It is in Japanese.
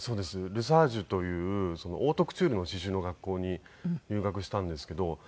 ルザージュというオートクチュールの刺繍の学校に留学したんですけど。